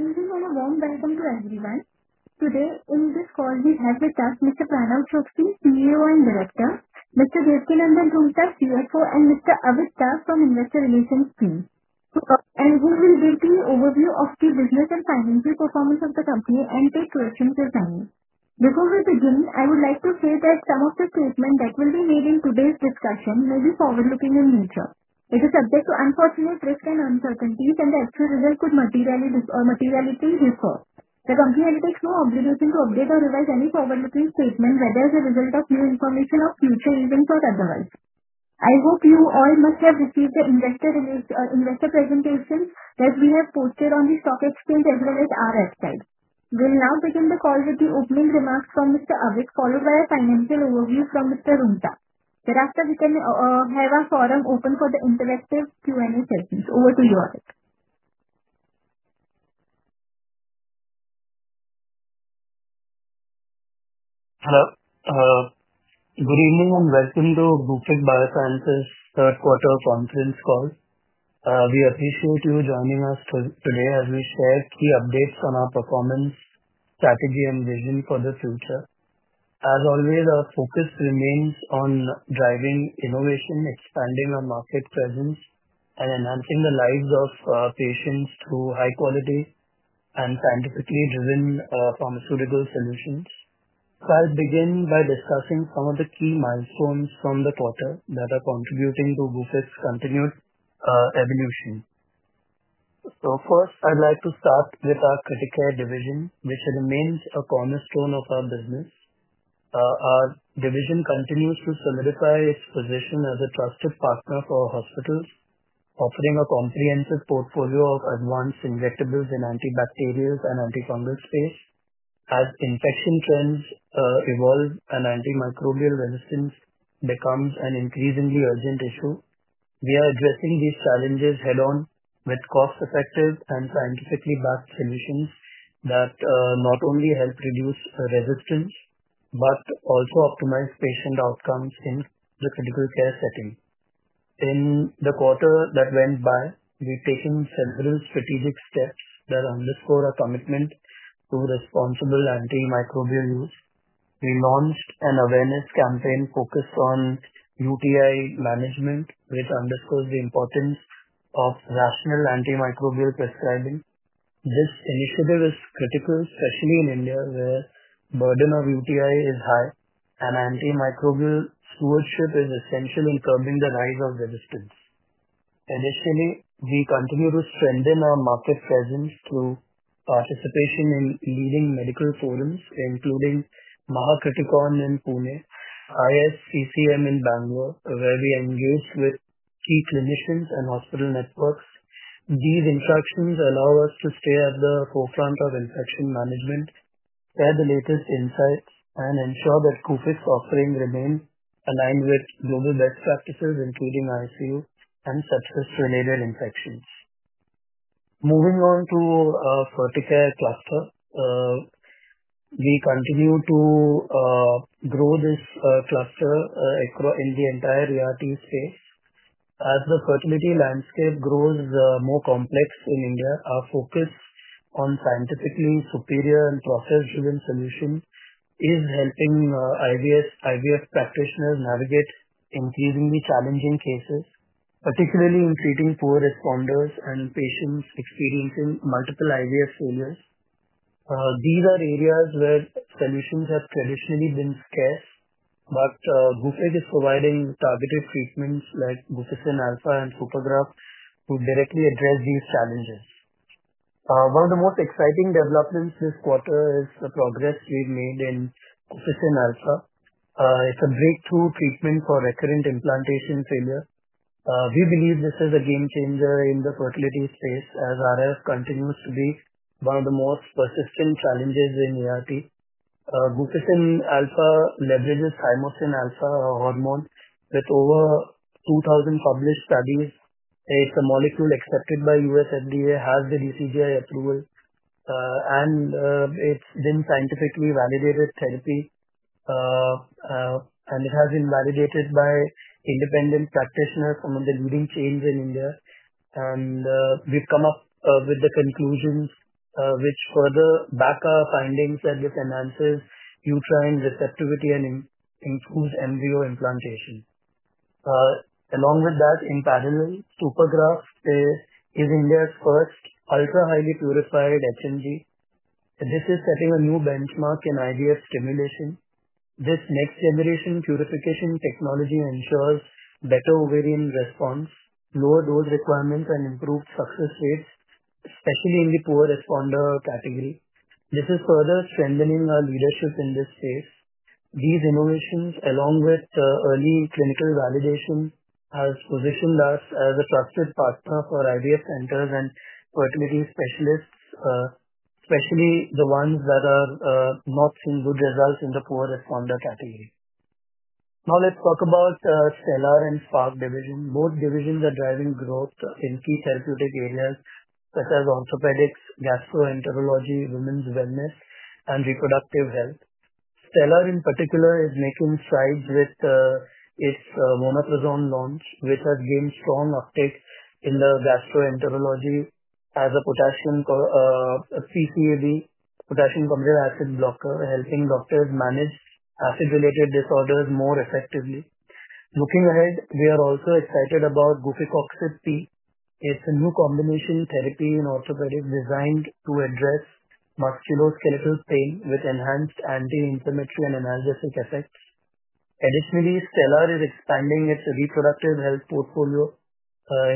Good evening and a warm welcome to everyone. Today in this call, we have with us Mr. Pranav Choksi, CEO and Director, Mr. Devkinandan Roonghta, CFO, and Mr. Avik Das from Investor Relations Team. So, and he will give the overview of the business and financial performance of the company and take questions if any. Before we begin, I would like to say that some of the statements that will be made in today's discussion may be forward-looking in nature. It is subject to unfortunate risks and uncertainties, and the actual result could materially differ. The company undertakes no obligation to update or revise any forward-looking statement, whether as a result of new information or future events or otherwise. I hope you all must have received the investor presentations that we have posted on the stock exchange as well as our website. We will now begin the call with the opening remarks from Mr. Avik, followed by a financial overview from Mr. Roonghta. Thereafter, we can have our forum open for the interactive Q&A sessions. Over to you, Avik. Hello. Good evening and welcome to Gufic Biosciences' third-quarter conference call. We appreciate you joining us today as we share key updates on our performance, strategy, and vision for the future. As always, our focus remains on driving innovation, expanding our market presence, and enhancing the lives of patients through high-quality and scientifically driven pharmaceutical solutions, so I'll begin by discussing some of the key milestones from the quarter that are contributing to Gufic's continued evolution, so first, I'd like to start with our critical division, which remains a cornerstone of our business. Our division continues to solidify its position as a trusted partner for hospitals, offering a comprehensive portfolio of advanced injectables in the antibacterial and antifungal space. As infection trends evolve and antimicrobial resistance becomes an increasingly urgent issue, we are addressing these challenges head-on with cost-effective and scientifically backed solutions that not only help reduce resistance but also optimize patient outcomes in the critical care setting. In the quarter that went by, we've taken several strategic steps that underscore our commitment to responsible antimicrobial use. We launched an awareness campaign focused on UTI management, which underscores the importance of rational antimicrobial prescribing. This initiative is critical, especially in India, where the burden of UTI is high, and antimicrobial stewardship is essential in curbing the rise of resistance. Additionally, we continue to strengthen our market presence through participation in leading medical forums, including Maha Criticon in Pune, ISCCM in Bangalore, where we engage with key clinicians and hospital networks. These interactions allow us to stay at the forefront of infection management, share the latest insights, and ensure that Gufic's offering remains aligned with global best practices, including ICU and sepsis-related infections. Moving on to our Ferticare cluster, we continue to grow this cluster across the entire ART space. As the fertility landscape grows more complex in India, our focus on scientifically superior and process-driven solutions is helping IVF practitioners navigate increasingly challenging cases, particularly in treating poor responders and patients experiencing multiple IVF failures. These are areas where solutions have traditionally been scarce, but Gufic is providing targeted treatments like Guficin Alpha and Supergraf to directly address these challenges. One of the most exciting developments this quarter is the progress we've made in Guficin Alpha. It's a breakthrough treatment for recurrent implantation failure. We believe this is a game changer in the fertility space as RIF continues to be one of the most persistent challenges in ART. Guficin Alpha leverages Thymosin Alpha, a hormone with over 2,000 published studies. It's a molecule accepted by U.S. FDA, has the DCGI approval, and it's been scientifically validated therapy, and it has been validated by independent practitioners, some of the leading chains in India. And we've come up with the conclusions which further back our findings that this enhances uterine receptivity and improves embryo implantation. Along with that, in parallel, Supergraf is India's first ultra-highly purified HMG. This is setting a new benchmark in IVF stimulation. This next-generation purification technology ensures better ovarian response, lower dose requirements, and improved success rates, especially in the poor responder category. This is further strengthening our leadership in this space. These innovations, along with early clinical validation, have positioned us as a trusted partner for IVF centers and fertility specialists, especially the ones that are not seeing good results in the poor responder category. Now let's talk about Stellar and Spark division. Both divisions are driving growth in key therapeutic areas such as orthopedics, gastroenterology, women's wellness, and reproductive health. Stellar, in particular, is making strides with its Vonoprazan launch, which has gained strong uptake in the gastroenterology as a potassium P-CAB, potassium competitive acid blocker, helping doctors manage acid-related disorders more effectively. Looking ahead, we are also excited about Guficox-P. It's a new combination therapy in orthopedics designed to address musculoskeletal pain with enhanced anti-inflammatory and analgesic effects. Additionally, Stellar is expanding its reproductive health portfolio,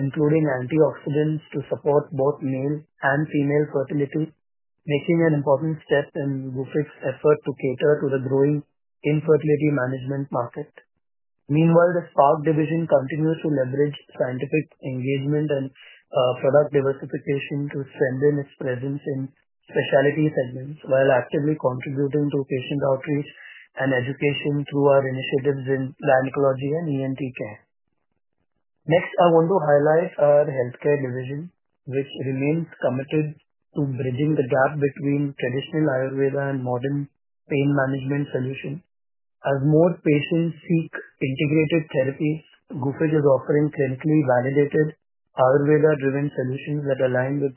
including antioxidants to support both male and female fertility, making an important step in Gufic's effort to cater to the growing infertility management market. Meanwhile, the Spark division continues to leverage scientific engagement and product diversification to strengthen its presence in specialty segments while actively contributing to patient outreach and education through our initiatives in gynecology and ENT care. Next, I want to highlight our healthcare division, which remains committed to bridging the gap between traditional Ayurveda and modern pain management solutions. As more patients seek integrated therapies, Gufic is offering clinically validated Ayurveda-driven solutions that align with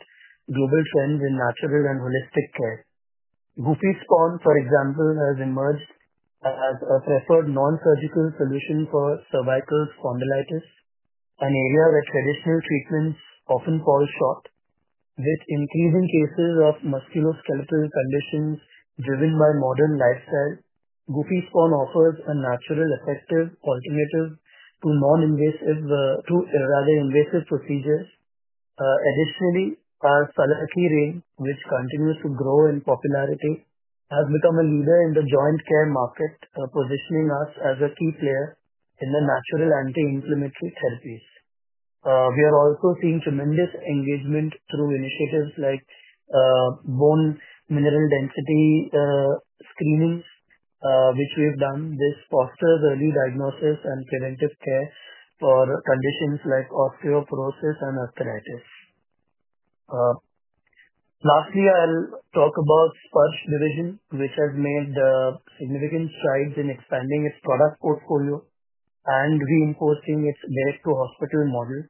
global trends in natural and holistic care. Gufispon, for example, has emerged as a preferred non-surgical solution for cervical spondylitis, an area where traditional treatments often fall short. With increasing cases of musculoskeletal conditions driven by modern lifestyles, Gufispon offers a natural, effective alternative to non-invasive procedures. Additionally, Sallaki range, which continues to grow in popularity, has become a leader in the joint care market, positioning us as a key player in the natural anti-inflammatory therapies. We are also seeing tremendous engagement through initiatives like bone mineral density screenings, which we have done. This fosters early diagnosis and preventive care for conditions like osteoporosis and arthritis. Lastly, I'll talk about Sparsh division, which has made significant strides in expanding its product portfolio and reinforcing its direct-to-hospital model.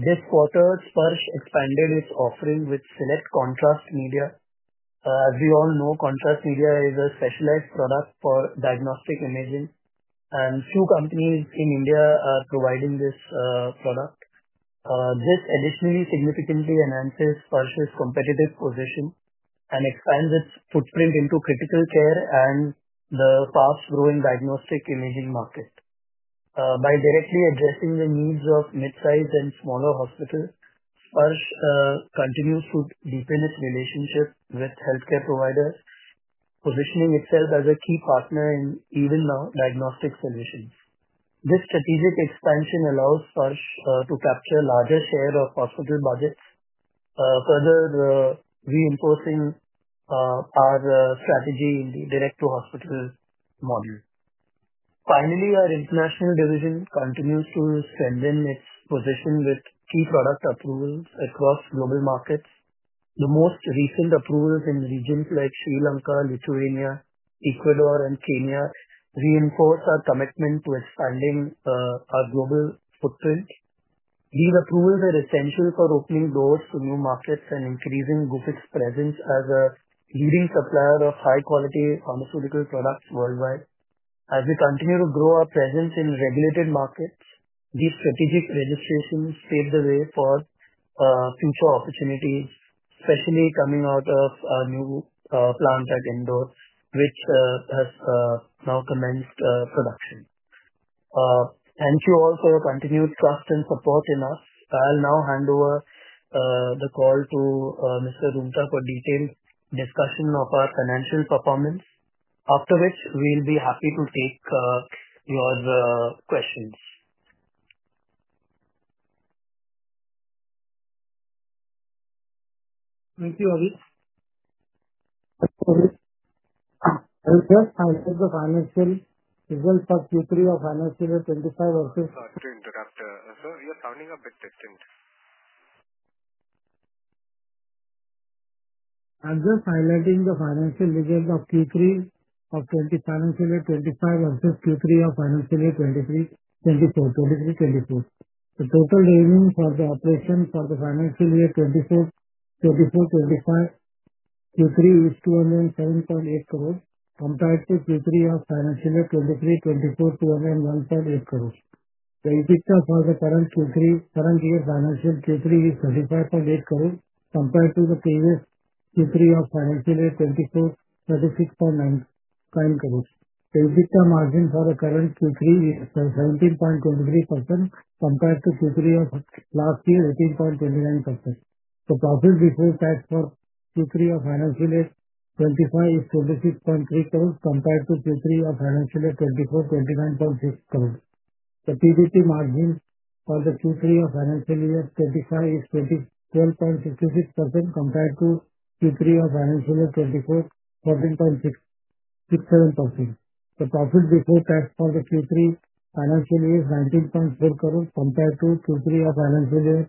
This quarter, Sparsh expanded its offering with select contrast media. As we all know, contrast media is a specialized product for diagnostic imaging, and few companies in India are providing this product. This additionally significantly enhances Sparsh's competitive position and expands its footprint into critical care and the fast-growing diagnostic imaging market. By directly addressing the needs of mid-size and smaller hospitals, Sparsh continues to deepen its relationship with healthcare providers, positioning itself as a key partner in even diagnostic solutions. This strategic expansion allows Sparsh to capture a larger share of hospital budgets, further reinforcing our strategy in the direct-to-hospital model. Finally, our international division continues to strengthen its position with key product approvals across global markets. The most recent approvals in regions like Sri Lanka, Lithuania, Ecuador, and Kenya reinforce our commitment to expanding our global footprint. These approvals are essential for opening doors to new markets and increasing Gufic's presence as a leading supplier of high-quality pharmaceutical products worldwide. As we continue to grow our presence in regulated markets, these strategic registrations pave the way for future opportunities, especially coming out of our new plant at Indore, which has now commenced production. Thank you all for your continued trust and support in us. I'll now hand over the call to Mr. Roonghta for detailed discussion of our financial performance, after which we'll be happy to take your questions. Thank you, Avik. Thank you, Avik. I'll just highlight the financial results of Q3 of financial year 2025 also. Sorry to interrupt there. So we are sounding a bit distant. I'm just highlighting the financial results of Q3 of financial year 2025 versus Q3 of financial year 2024. The total revenue for the operation for the financial year 2024-2025, Q3 is INR 207.8 crores compared to Q3 of financial year 2023-2024, INR 21.8 crores. The EBITDA for the current year financial Q3 is INR 35.8 crores compared to the previous Q3 of financial year 2024, INR 36.9 crores. The EBITDA margin for the current Q3 is 17.23% compared to Q3 of last year, 18.29%. The profit before tax for Q3 of financial year 2025 is 26.3 crores compared to Q3 of financial year 2024, 29.6 crores. The PBT margin for the Q3 of financial year 2025 is 12.66% compared to Q3 of financial year 2024, 14.67%. The profit before tax for the Q3 financial year is INR 19.4 crores compared to Q3 of financial year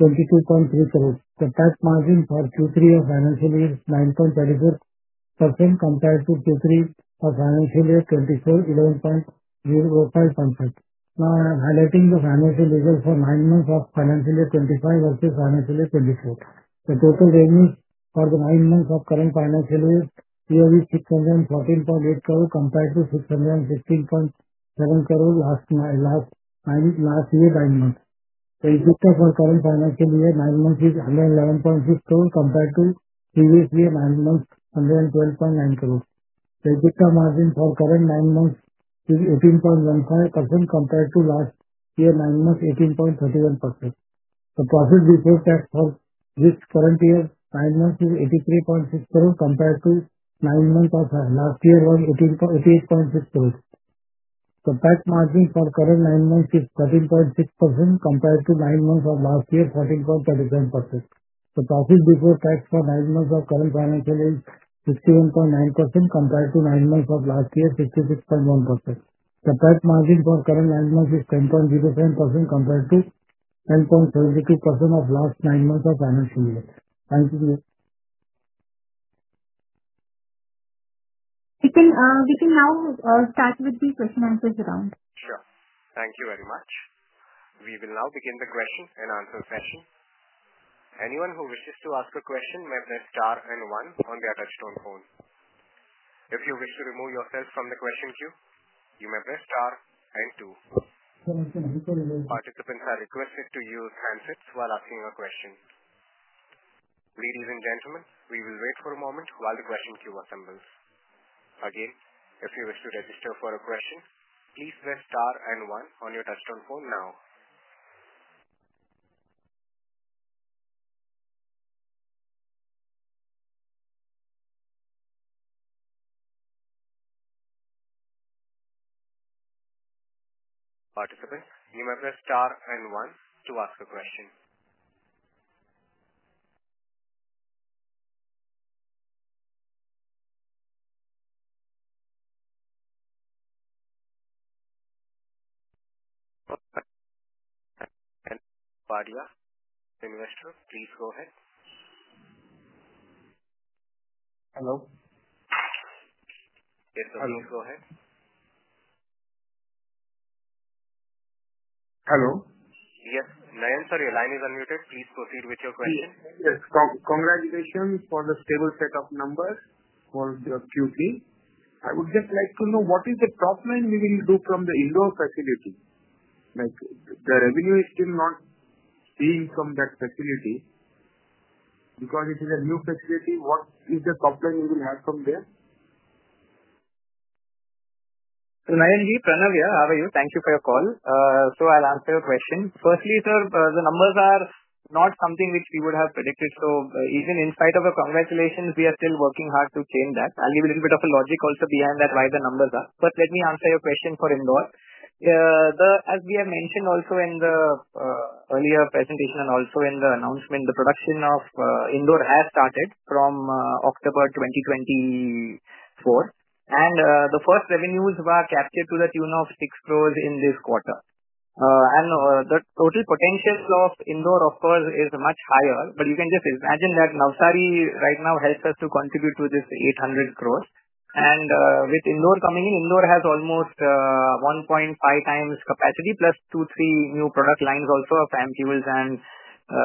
INR 22.3 crores. The tax margin for Q3 of financial year is 9.34% compared to Q3 of financial year 2024, 11.05%. Now I'm highlighting the financial results for nine months of financial year 2025 versus financial year 2024. The total revenue for the nine months of current financial year is INR 614.8 crores compared to INR 616.7 crores last year nine months. The EBITDA for current financial year nine months is 111.6 crores compared to previous year nine months, INR 112.9 crores. The EBITDA margin for current nine months is 18.15% compared to last year nine months, 18.31%. The profit before tax for this current year nine months is INR 83.6 crores compared to nine months of last year was INR 88.6 crores. The tax margin for current nine months is 13.6% compared to nine months of last year 14.37%. The profit before tax for nine months of current financial year is 61.9% compared to nine months of last year 66.1%. The tax margin for current nine months is 10.07% compared to 10.72% of last nine months of financial year. Thank you. We can now start with the question-and-answer round. Sure. Thank you very much. We will now begin the question-and-answer session. Anyone who wishes to ask a question may press star and one on their touch-tone phone. If you wish to remove yourself from the question queue, you may press star and two. Participants are requested to use handsets while asking a question. Ladies and gentlemen, we will wait for a moment while the question queue assembles. Again, if you wish to register for a question, please press star and one on your touch-tone phone now. Participants, you may press star and one to ask a question. Nayan Taparia, investor, please go ahead. Hello. Yes, please go ahead. Hello. Yes. Nayan, sorry, your line is unmuted. Please proceed with your question. Yes. Congratulations for the stable set of numbers for the Q3. I would just like to know what is the top line we will do from the Indore facility? The revenue is still not seen from that facility. Because it is a new facility, what is the top line we will have from there? So, Nayan, we are Pranav. Yeah, how are you? Thank you for your call. So I'll answer your question. Firstly, sir, the numbers are not something which we would have predicted. So even in spite of the congratulations, we are still working hard to change that. I'll give you a little bit of a logic also behind that, why the numbers are. But let me answer your question for Indore. As we have mentioned also in the earlier presentation and also in the announcement, the production of Indore has started from October 2024. And the first revenues were captured to the tune of 6 crores in this quarter. And the total potential of Indore, of course, is much higher. But you can just imagine that Navsari right now helps us to contribute to this 800 crores. With Indore coming in, Indore has almost 1.5 times capacity plus two, three new product lines also of ampules and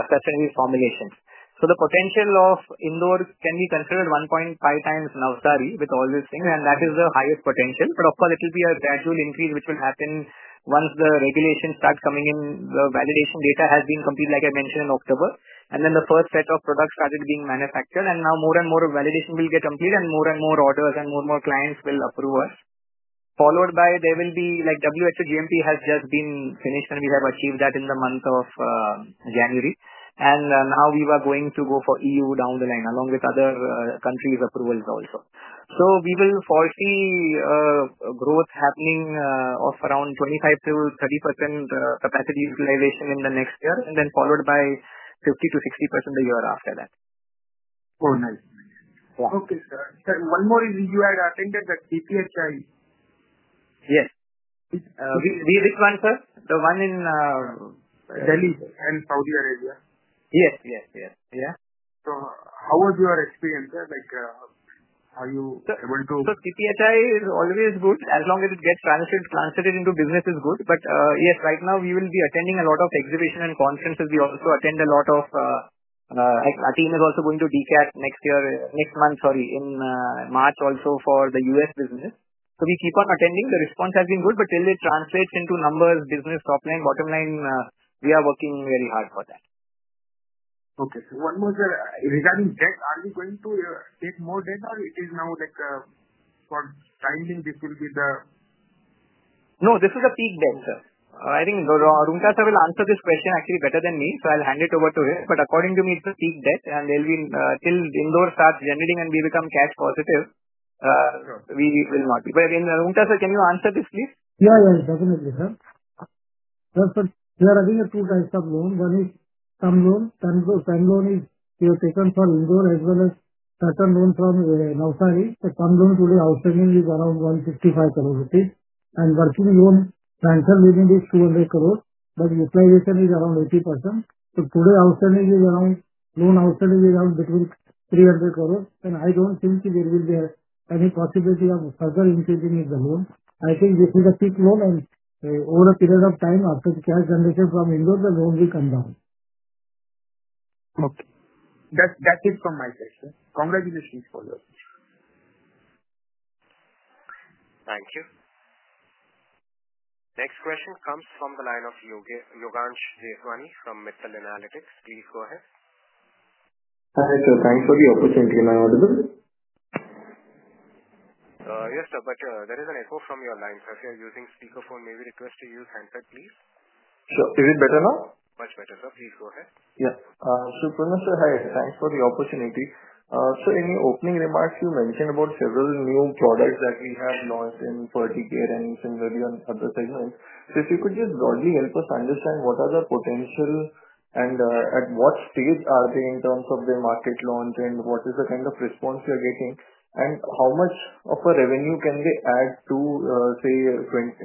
specialty formulations. The potential of Indore can be considered 1.5 times Navsari with all these things. That is the highest potential. Of course, it will be a gradual increase which will happen once the regulations start coming in. The validation data has been completed, like I mentioned in October. Then the first set of products started being manufactured. Now more and more validation will get complete and more and more orders and more and more clients will approve us. Followed by, there will be WHO GMP, which has just been finished, and we have achieved that in the month of January. Now we are going to go for EU down the line along with other countries' approvals also. We will foresee growth happening of around 25%-30% capacity utilization in the next year, and then followed by 50%-60% the year after that. Oh, nice. Okay, sir. One more is you had attended the CPHI? Yes. Which one, sir? The one in Delhi and Saudi Arabia? Yes, yes, yes. Yeah? So how was your experience there? How are you able to? So CPHI is always good. As long as it gets translated into business, it's good. But yes, right now we will be attending a lot of exhibitions and conferences. We also attend a lot. Our team is also going to DCAT next year, next month, sorry, in March also for the U.S. business. So we keep on attending. The response has been good. But till it translates into numbers, business top line, bottom line, we are working very hard for that. Okay. One more there. Regarding debt, are we going to take more debt, or is it now for timing? This will be the? No, this is a peak debt, sir. I think Roonghta sir will answer this question actually better than me. So I'll hand it over to him. But according to me, it's a peak debt. And till Indore starts generating and we become cash positive, we will not. But Roonghta sir, can you answer this, please? Yeah, yeah, definitely, sir. Yes, sir. We are having two types of loans. One is term loan. Term loan is we have taken for Indore as well as certain loan from Navsari. The term loan today outstanding is around 165 crores. And working capital loan overdraft limit is 200 crores. But utilization is around 80%. So today outstanding is around loan outstanding is around between INR 300 crores. And I don't think there will be any possibility of further increasing in the loan. I think this is a peak loan. And over a period of time, after the cash generation from Indore, the loan will come down. Okay. That's it from my side, sir. Congratulations for yours. Thank you. Next question comes from the line of Yogansh Jeswani from Mittal Analytics. Please go ahead. Hi, sir. Thanks for the opportunity. Am I audible. Yes, sir. But there is an echo from your line. So if you're using speakerphone, may we request to use handset, please? Sure. Is it better now? Much better, sir. Please go ahead. Yeah. So, Pranav sir, hi. Thanks for the opportunity. Sir, in your opening remarks, you mentioned about several new products that we have launched in Ferticare and similarly on other segments. So if you could just broadly help us understand what are the potential and at what stage are they in terms of their market launch and what is the kind of response we are getting? And how much of a revenue can they add to, say,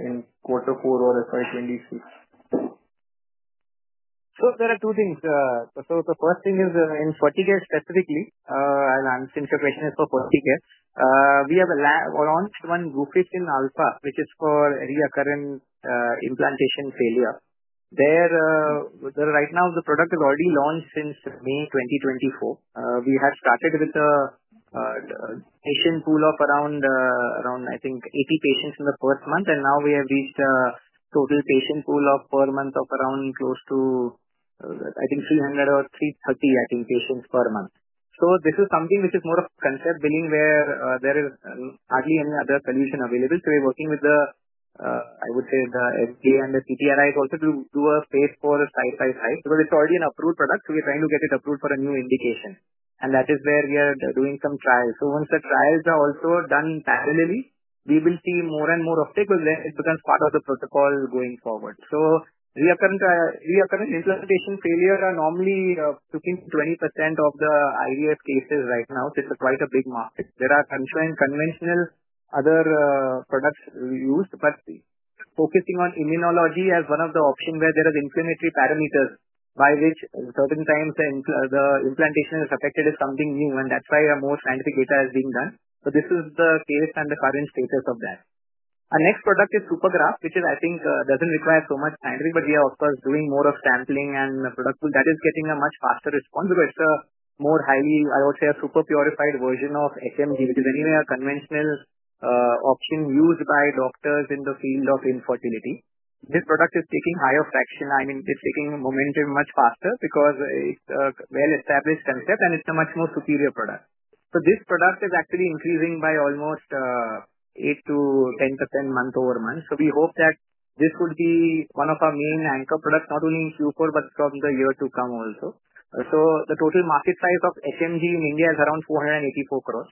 in quarter four or FY 2026? So there are two things. So the first thing is in Ferticare specifically, and since your question is for Ferticare, we have launched Guficin Alpha, which is for recurrent implantation failure. Right now, the product is already launched since May 2024. We have started with a patient pool of around, I think, 80 patients in the first month. And now we have reached a total patient pool of per month of around close to, I think, 300 or 330, I think, patients per month. So this is something which is more of concept selling where there is hardly any other solution available. So we're working with the, I would say, the FDA and the CTRIs also to do a phase IV side-by-side because it's already an approved product. We're trying to get it approved for a new indication. And that is where we are doing some trials. So once the trials are also done parallelly, we will see more and more of it because it becomes part of the protocol going forward. So recurrent implantation failure are normally between 20% of the IVF cases right now. So it's quite a big market. There are some conventional other products used, but focusing on immunology as one of the options where there are inflammatory parameters by which certain times the implantation is affected is something new. And that's why more scientific data is being done. So this is the case and the current status of that. Our next product is Supergraf, which is, I think, doesn't require so much scientific, but we are, of course, doing more of sampling and product that is getting a much faster response because it's a more highly, I would say, a super purified version of HMG, which is anyway a conventional option used by doctors in the field of infertility. This product is taking higher fraction. I mean, it's taking momentum much faster because it's a well-established concept, and it's a much more superior product. So this product is actually increasing by almost 8%-10% month-over-month. So we hope that this would be one of our main anchor products, not only in Q4, but from the year to come also. So the total market size of HMG in India is around 484 crores.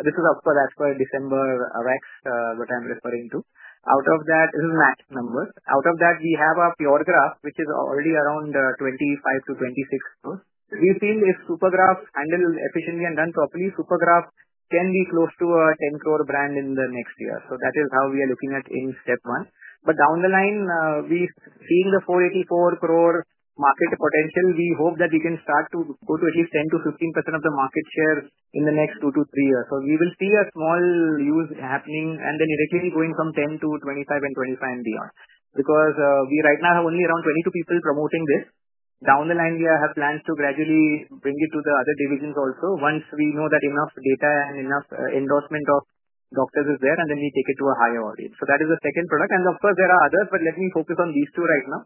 This is, of course, as per December AWACS, what I'm referring to. Out of that, this is MAT numbers. Out of that, we have a Puregraf, which is already around INR 25crores -26 crores. We feel if Supergraf handled efficiently and done properly, Supergraf can be close to a 10-crore brand in the next year. So that is how we are looking at in step one. But down the line, seeing the 484 crore market potential, we hope that we can start to go to at least 10%-15% of the market share in the next two to three years. So we will see a small use happening and then it actually going from 10% to 25% and 25% and beyond. Because we right now have only around 22 people promoting this. Down the line, we have plans to gradually bring it to the other divisions also. Once we know that enough data and enough endorsement of doctors is there, and then we take it to a higher audience. So that is the second product. And of course, there are others, but let me focus on these two right now,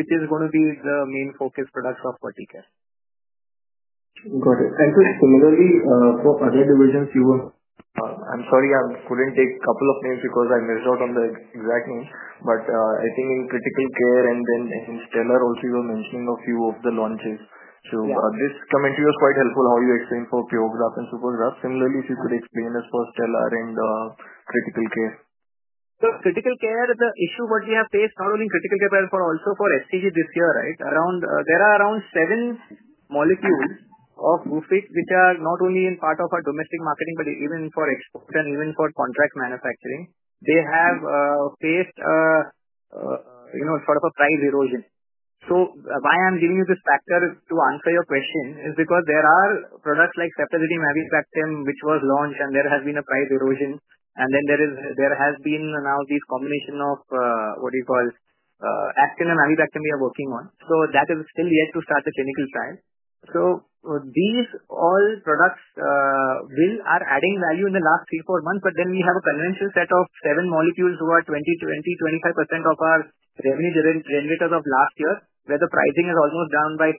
which is going to be the main focus products of Fertility Care. Got it. And similarly for other divisions, you were. I'm sorry, I couldn't take a couple of names because I missed out on the exact names. But I think in critical care and then in Stellar also, you were mentioning a few of the launches. So this commentary was quite helpful, how you explained for Puregraf and Supergraf. Similarly, if you could explain as for Stellar and critical care. So critical care is the issue what we have faced not only in critical care but also for STG this year, right? There are around seven molecules of Gufic, which are not only in part of our domestic marketing, but even for export and even for contract manufacturing. They have faced sort of a price erosion. So why I'm giving you this factor to answer your question is because there are products like ceftazidime avibactam, which was launched, and there has been a price erosion. And then there has been now this combination of what do you call aztreonam avibactam we are working on. So that is still yet to start the clinical trial. So these all products are adding value in the last three, four months. But then we have a conventional set of seven molecules who are 20%, 20%, 25% of our revenue generators of last year, where the pricing is almost down by 60%-80%.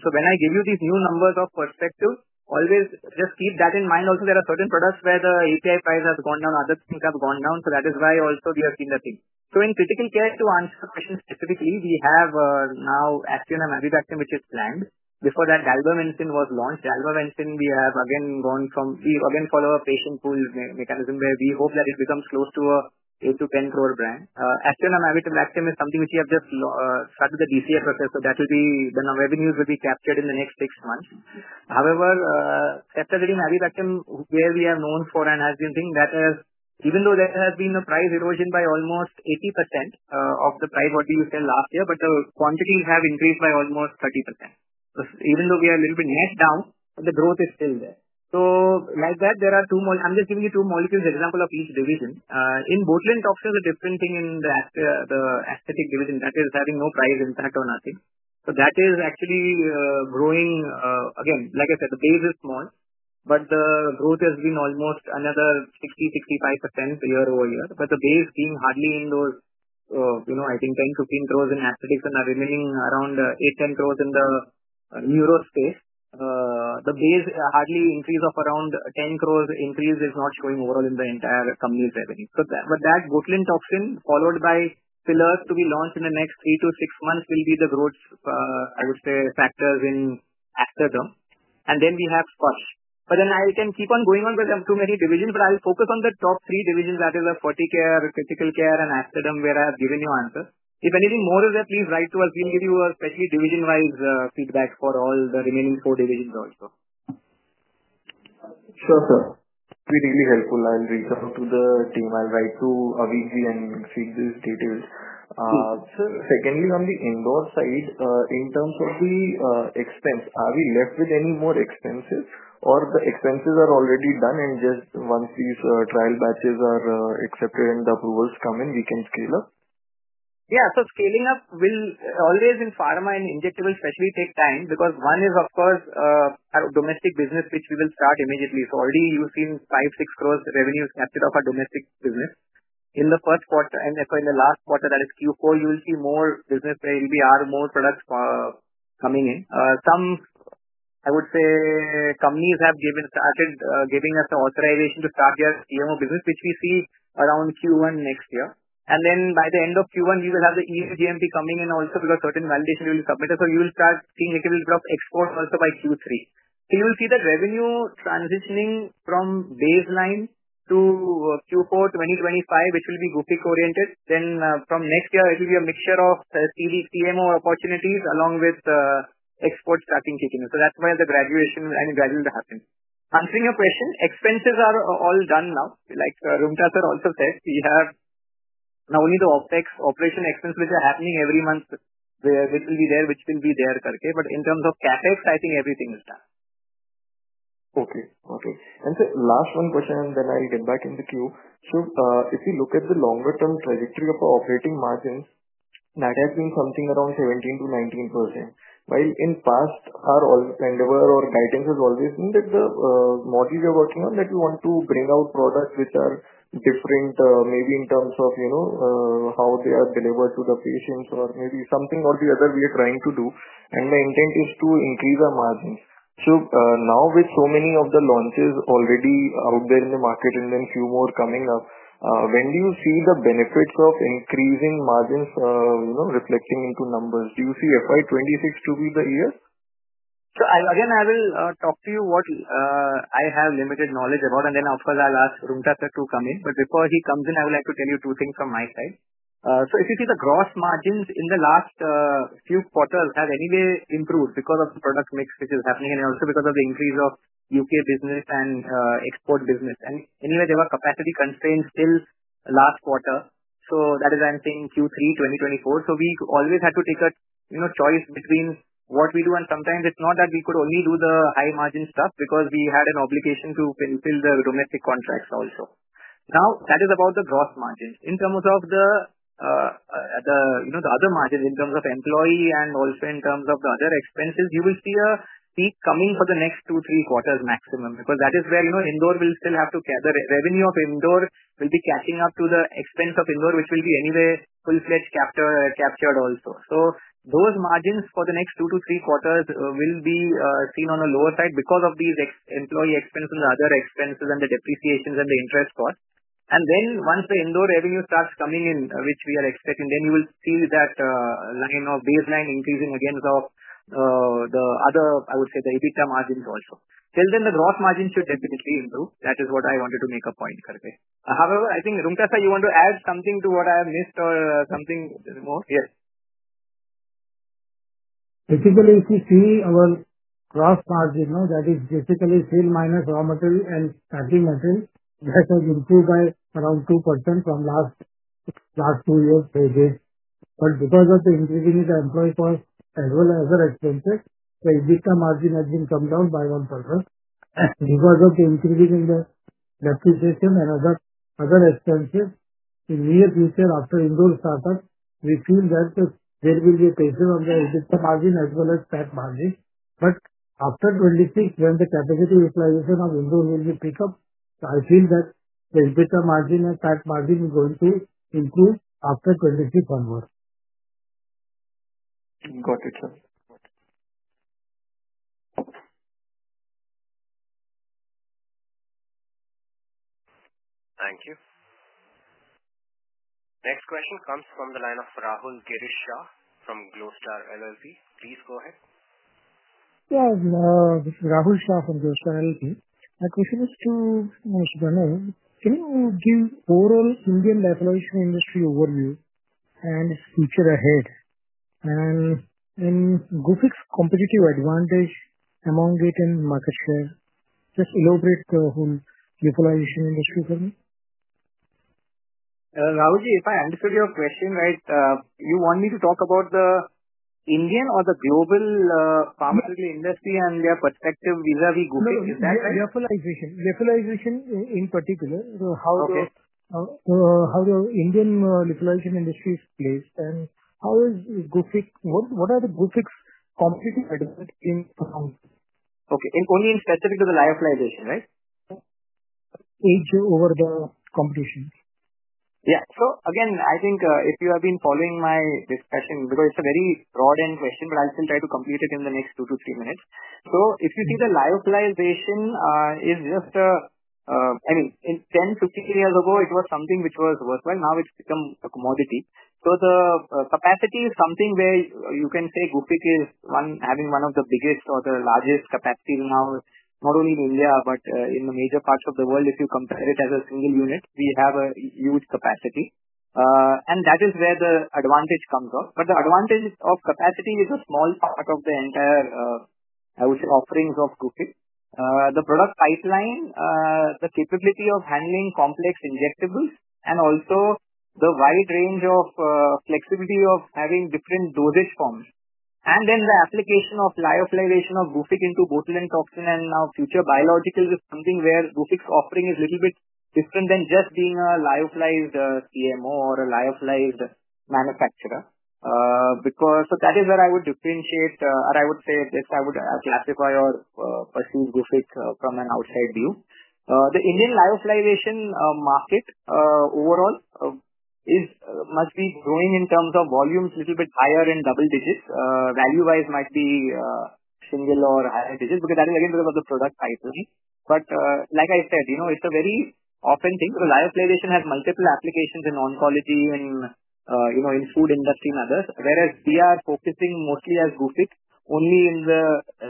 So when I give you these new numbers in perspective, always just keep that in mind. Also, there are certain products where the API price has gone down, other things have gone down. So that is why also we have seen the thing. So in critical care, to answer the question specifically, we have now aztreonam avibactam, which is planned. Before that, dalbavancin was launched. Dalbavancin, we again follow a patient pool mechanism where we hope that it becomes close to an 8 crore-10 crore brand. Aztreonam Avibactam is something which we have just started the DCA process. So that will be the revenues will be captured in the next six months. However, ceftazidime avibactam, where we have known for and has been seeing that as even though there has been a price erosion by almost 80% of the price what we used last year, but the quantities have increased by almost 30%. So even though we are a little bit net down, the growth is still there. So like that, there are two. I'm just giving you two molecules example of each division. In botulinum toxin, the different thing in the aesthetic division, that is having no price impact or nothing. So that is actually growing again. Like I said, the base is small, but the growth has been almost another 60%-65% year-over-year. But the base being hardly in those, I think, 10 crore-15 crore in aesthetics and are remaining around 8 core -10 crores in the neuro space. The base hardly increase of around 10 crores increase is not showing overall in the entire company's revenue. But that botulinum toxin, followed by fillers to be launched in the next three to six months, will be the growth, I would say, factors in Aesthaderm. And then we have Sparsh. But then I can keep on going on because I have too many divisions. But I'll focus on the top three divisions, that is Ferticare, Critical Care, and Aesthaderm, where I have given you answers. If anything more is there, please write to us. We'll give you a special division-wise feedback for all the remaining four divisions also. Sure, sir. It will be really helpful. I'll reach out to the team. I'll write to Avik ji and seek these details. Secondly, on the Indore side, in terms of the expense, are we left with any more expenses or the expenses are already done and just once these trial batches are accepted and the approvals come in, we can scale up? Yeah. So scaling up will always in pharma and injectables especially take time because one is, of course, our domestic business, which we will start immediately. So already you've seen 5 crores-6 crores revenue captured of our domestic business in the first quarter and so in the last quarter, that is Q4, you will see more business where we are more products coming in. Some, I would say, companies have started giving us the authorization to start their CMO business, which we see around Q1 next year. And then by the end of Q1, we will have the EU GMP coming in also because certain validation we will submit. So you will start seeing a little bit of export also by Q3. So you will see that revenue transitioning from baseline to Q4 2025, which will be Gufic oriented. Then from next year, it will be a mixture of CMO opportunities along with export starting kicking in. So that's why the graduation and gradually happening. Answering your question, expenses are all done now. Like Roonghta sir also said, we have not only the OPEX operating expense, which are happening every month, which will be there, which will be there correctly. But in terms of CAPEX, I think everything is done. Okay, okay. And so last one question, and then I'll get back in the queue. So if you look at the longer-term trajectory of our operating margins, that has been something around 17%-19%. While in past, our endeavor or guidance has always been that the model we are working on, that we want to bring out products which are different, maybe in terms of how they are delivered to the patients or maybe something or the other we are trying to do. And the intent is to increase our margins. So now with so many of the launches already out there in the market and then few more coming up, when do you see the benefits of increasing margins reflecting into numbers? Do you see FY 2026 to be the year? Again, I will talk to you what I have limited knowledge about. And then, of course, I'll ask Roonghta sir to come in. But before he comes in, I would like to tell you two things from my side. If you see the gross margins in the last few quarters have anyway improved because of the product mix which is happening and also because of the increase of UK business and export business. And anyway, there were capacity constraints still last quarter. That is, I'm saying, Q3 2024. We always had to take a choice between what we do. And sometimes it's not that we could only do the high margin stuff because we had an obligation to fulfill the domestic contracts also. Now, that is about the gross margins. In terms of the other margins, in terms of employee and also in terms of the other expenses, you will see a peak coming for the next two, three quarters maximum because that is where Indore will still have to gather. Revenue of Indore will be catching up to the expense of Indore, which will be anyway full-fledged captured also. So those margins for the next two to three quarters will be seen on the lower side because of these employee expenses and the other expenses and the depreciations and the interest costs. And then once the Indore revenue starts coming in, which we are expecting, then you will see that line of baseline increasing against the other, I would say, the EBITDA margins also. Till then, the gross margin should definitely improve. That is what I wanted to make a point correctly. However, I think Roonghta sir, you want to add something to what I have missed or something more? Yes. Basically, if you see our gross margin, that is basically sale minus raw material and starting material, that has improved by around 2% from last two years' basis. But because of the increase in the employee cost as well as other expenses, the EBITDA margin has been come down by 1%. Because of the increase in the depreciation and other expenses, in the near future, after Indore startup, we feel that there will be a pressure on the EBITDA margin as well as PAT margin. But after 2026, when the capacity utilization of Indore will be picked up, I feel that the EBITDA margin and PAT margin is going to improve after 2026 onwards. Got it, sir. Thank you. Next question comes from the line of Rahul Girish Shah from Glostar LLP. Please go ahead. Yeah, Rahul Shah from Glostar LLP. My question is to Mr. Pranav. Can you give overall Indian formulation industry overview and its future ahead? And Gufic's competitive advantage among it and market share, just elaborate the whole formulation industry for me. Rahulji, if I understood your question right, you want me to talk about the Indian or the global pharmaceutical industry and their perspective vis-à-vis Gufic. Is that right? Yeah, lyophilization. Lyophilization in particular, how the Indian lyophilization industry is placed and how is Gufic? What are the Gufic's competitive advantage in? Okay. And only specific to the lyophilization, right? Our edge over the competition? Yeah. So again, I think if you have been following my discussion, because it's a very broad-ended question, but I'll still try to complete it in the next two to three minutes. So if you see the lyophilization is just a, I mean, 10 years, 15 years ago, it was something which was worthwhile. Now it's become a commodity. So the capacity is something where you can say Gufic is having one of the biggest or the largest capacities now, not only in India but in the major parts of the world. If you compare it as a single unit, we have a huge capacity. And that is where the advantage comes off. But the advantage of capacity is a small part of the entire, I would say, offerings of Gufic. The product pipeline, the capability of handling complex injectables, and also the wide range of flexibility of having different dosage forms. The application of lyophilization of Gufic into botulinum toxin and now future biological is something where Gufic's offering is a little bit different than just being a lyophilized CMO or a lyophilized manufacturer. That is where I would differentiate, or I would say this, I would classify or perceive Gufic from an outside view. The Indian lyophilization market overall must be growing in terms of volumes a little bit higher in double digits. Value-wise, it might be single or higher digits because that is again because of the product pipeline. Like I said, it is a very often thing because lyophilization has multiple applications in oncology and in food industry and others. Whereas we are focusing mostly as Gufic only in the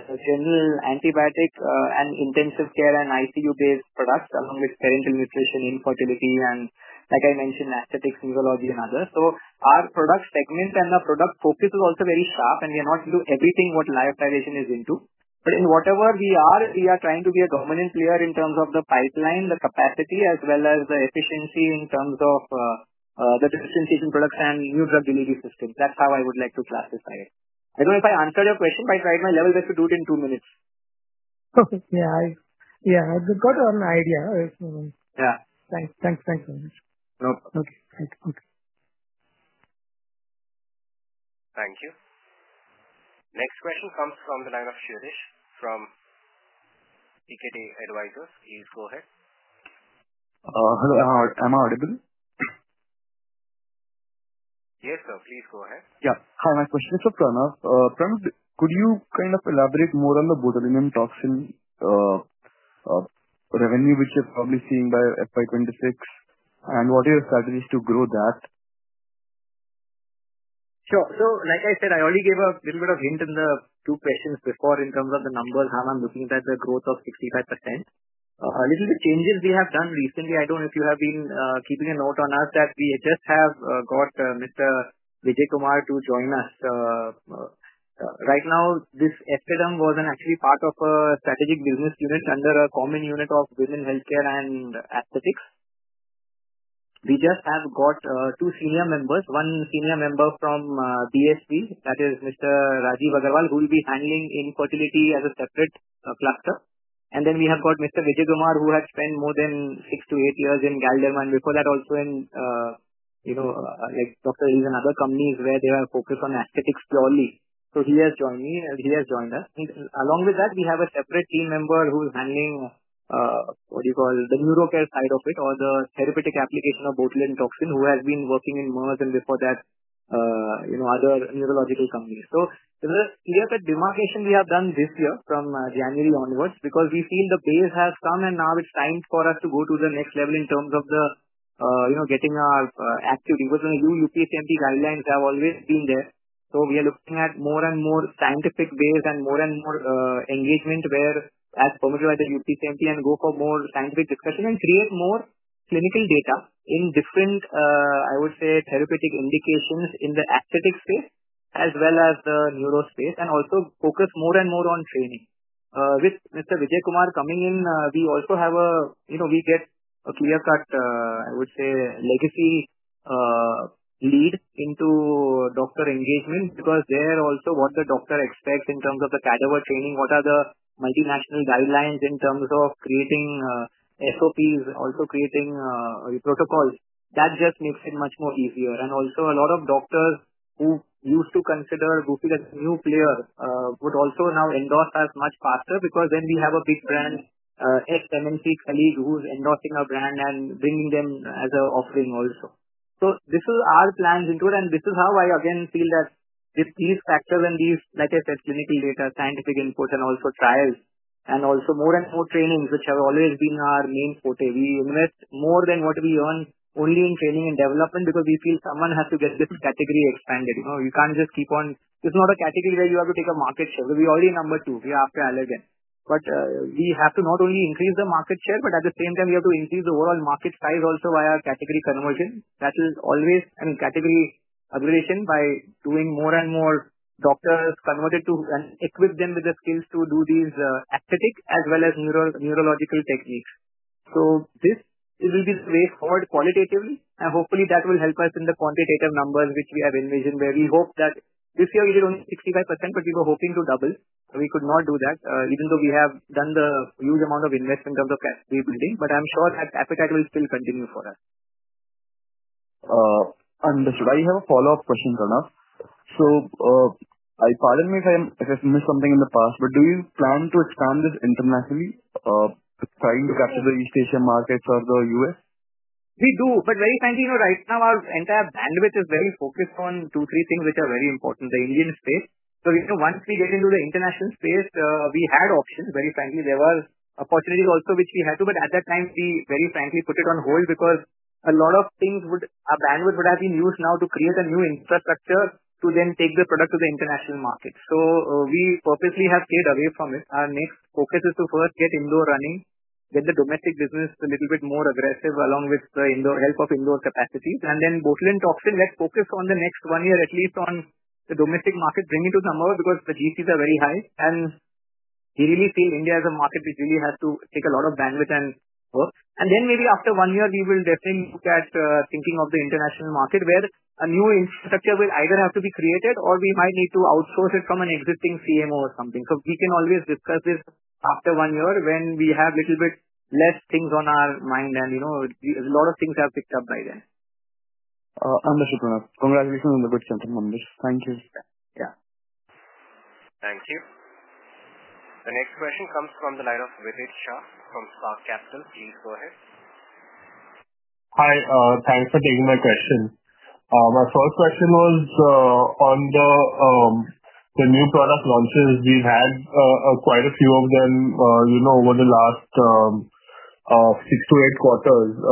general antibiotic and intensive care and ICU-based products along with parenteral nutrition, infertility, and like I mentioned, aesthetics, neurology, and others. So our product segment and the product focus is also very sharp, and we are not into everything what lyophilization is into. But in whatever we are, we are trying to be a dominant player in terms of the pipeline, the capacity, as well as the efficiency in terms of the differentiation products and new drug delivery systems. That's how I would like to classify it. I don't know if I answered your question. I tried my level best to do it in two minutes. Perfect. Yeah. Yeah. I got an idea. Thanks. Thanks. Thanks very much. No problem. Okay. Thank you. Thank you. Next question comes from the line` of Shirish from PKD Advisors. Please go ahead. Hello. Am I audible? Yes, sir. Please go ahead. Yeah. Hi. My question is for Pranav. Pranav, could you kind of elaborate more on the botulinum toxin revenue, which you're probably seeing by FY 2026, and what are your strategies to grow that? Sure. So like I said, I already gave a little bit of hint in the two questions before in terms of the numbers. I'm looking at the growth of 65%. A little bit changes we have done recently. I don't know if you have been keeping a note on us that we just have got Mr. Vijay Kumar to join us. Right now, this aesthetics was actually part of a strategic business unit under a common unit of women healthcare and aesthetics. We just have got two senior members. One senior member from BSV, that is Mr. Rajiv Agarwal, who will be handling infertility as a separate cluster. And then we have got Mr. Vijay Kumar, who had spent more than six to eight years in Galderma before that, also in there. He's in other companies where they are focused on aesthetics purely. So he has joined me, and he has joined us. And along with that, we have a separate team member who's handling what do you call the neuro care side of it or the therapeutic application of botulinum toxin, who has been working in Merz and before that, other neurological companies. So there's a clear-cut demarcation we have done this year from January onwards because we feel the base has come, and now it's time for us to go to the next level in terms of getting our activity. Because UCPMP guidelines have always been there. We are looking at more and more scientific base and more and more engagement whereas promoted by the UCPMP and go for more scientific discussion and create more clinical data in different, I would say, therapeutic indications in the aesthetic space as well as the neuro space and also focus more and more on training. With Mr. Vijay Kumar coming in, we also have we get a clear-cut, I would say, legacy lead into doctor engagement because there also what the doctor expects in terms of the cadaver training, what are the multinational guidelines in terms of creating SOPs, also creating protocols. That just makes it much more easier. And also a lot of doctors who used to consider Gufic as a new player would also now endorse us much faster because then we have a big brand, SMNC Khalid, who's endorsing our brand and bringing them as an offering also. So this is our plans into it. And this is how I again feel that with these factors and these, like I said, clinical data, scientific input, and also trials, and also more and more trainings, which have always been our main forte. We invest more than what we earn only in training and development because we feel someone has to get this category expanded. You can't just keep on. It's not a category where you have to take a market share. We're already number two. We are after Allergan. But we have to not only increase the market share, but at the same time, we have to increase the overall market size also via category conversion. That is always, I mean, category expansion by doing more and more doctors converted to, and equip them with the skills to do these aesthetic as well as neurological techniques, so this will be the way forward qualitatively, and hopefully, that will help us in the quantitative numbers, which we have envisioned where we hope that this year we did only 65%, but we were hoping to double. We could not do that, even though we have done the huge amount of investment in the category building, but I'm sure that appetite will still continue for us. Understood. I have a follow-up question, Pranav. So pardon me if I've missed something in the past, but do you plan to expand this internationally, trying to capture the East Asia markets or the U.S.? We do. But very frankly, right now, our entire bandwidth is very focused on two, three things which are very important, the Indian space. So once we get into the international space, we had options. Very frankly, there were opportunities also, which we had to. But at that time, we very frankly put it on hold because a lot of things, our bandwidth would have been used now to create a new infrastructure to then take the product to the international market. So we purposely have stayed away from it. Our next focus is to first get Indore running, get the domestic business a little bit more aggressive along with the help of Indore capacity. Then botulinum toxin, let's focus on the next one year, at least on the domestic market, bring it to some more because the GCs are very high. And we really feel India is a market which really has to take a lot of bandwidth and work. And then maybe after one year, we will definitely look at thinking of the international market where a new infrastructure will either have to be created or we might need to outsource it from an existing CMO or something. So we can always discuss this after one year when we have a little bit less things on our mind and a lot of things have picked up by then. Understood, Pranav. Congratulations on the good quarter, management. Thank you. Yeah. Thank you. The next question comes from the line of Vidit Shah from Spark Capital. Please go ahead. Hi. Thanks for taking my question. My first question was on the new product launches. We've had quite a few of them over the last six to eight quarters.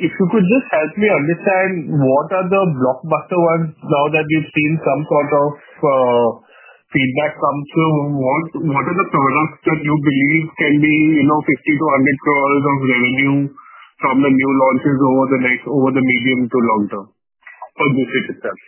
If you could just help me understand what are the blockbuster ones now that we've seen some sort of feedback come through, what are the products that you believe can be 50 crores-100 crores of revenue from the new launches over the medium to long term for Gufic itself?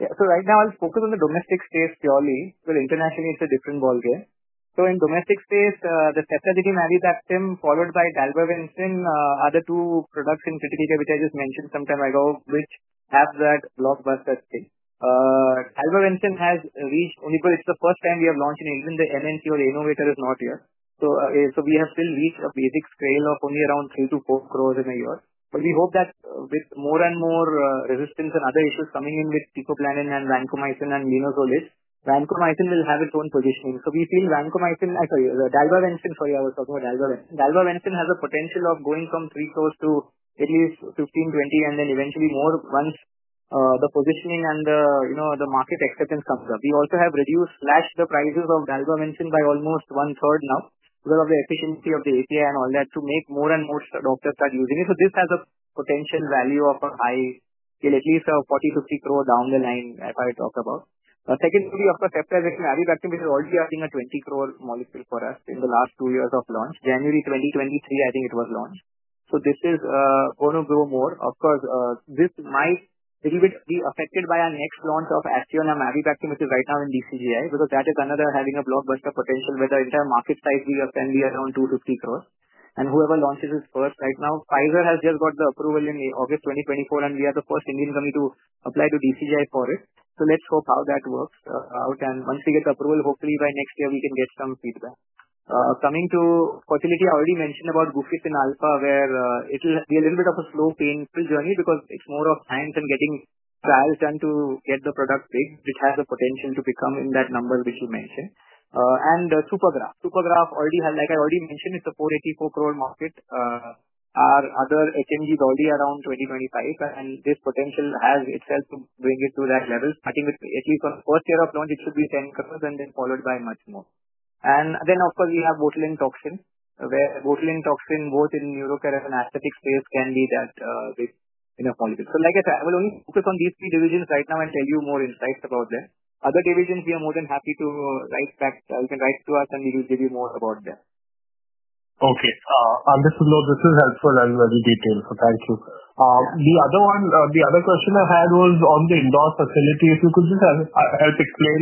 Yeah. So right now, I'll focus on the domestic space purely, where internationally, it's a different ball game. So in domestic space, the ceftazidime avibactam, followed by dalbavancin, are the two products in critical care which I just mentioned some time ago, which have that blockbuster space. Dalbavancin has reached only because it's the first time we have launched in India. The MNC or the innovator is not here. So we have still reached a basic scale of only around INR 3crores-4 crores in a year. But we hope that with more and more resistance and other issues coming in with teicoplanin and vancomycin and linezolid, vancomycin will have its own positioning. So we feel vancomycin sorry, dalbavancin, sorry, I was talking about dalbavancin. Dalbavancin has a potential of going from 3 crore to at least INR 15crores-INR 20 crores, and then eventually more once the positioning and the market acceptance comes up. We also have reduced slashed the prices of dalbavancin by almost one-third now because of the efficiency of the API and all that to make more and more doctors start using it. This has a potential value of a high, at least a 40 crores-50 crores down the line if I talk about. Secondly, of course, Ceftazidime Avibactam, which is already, I think, a 20-crore molecule for us in the last two years of launch. January 2023, I think it was launched. This is going to grow more. Of course, this might a little bit be affected by our next launch of aztreonam avibactam, which is right now in DCGI because that is another having a blockbuster potential where the entire market size can be around 250 crores. Whoever launches it first right now, Pfizer has just got the approval in August 2024, and we are the first Indian company to apply to DCGI for it. So let's hope how that works out, and once we get the approval, hopefully, by next year, we can get some feedback. Coming to fertility, I already mentioned about Guficin Alpha where it'll be a little bit of a slow, painful journey because it's more of science and getting trials done to get the product big. It has the potential to become in that number which you mentioned, and Puregraf. Puregraf, like I already mentioned, it's a 484-crore market. Our other HMG is already around 2025, and this potential has itself to bring it to that level. Starting with, at least on the first year of launch, it should be 10 crores and then followed by much more. And then, of course, we have botulinum toxin where botulinum toxin, both in neuro care and aesthetic space, can be that big enough molecule. So like I said, I will only focus on these three divisions right now and tell you more insights about them. Other divisions, we are more than happy to write back. You can write to us, and we will give you more about them. Okay. Understood, Lord. This is helpful and very detailed, so thank you. The other question I had was on the Indore facility. If you could just help explain